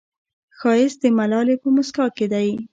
ښایست د ملالې په موسکا کې دی